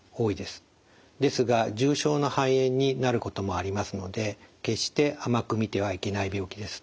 ですが重症の肺炎になることもありますので決して甘くみてはいけない病気です。